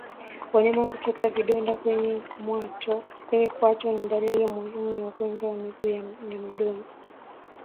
Wanyama kutoka vidonda kwenye kwato ni dalili muhimu ya ugonjwa wa miguu na midomo